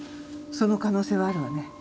その可能性はあるわね。